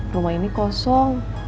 rumah ini kosong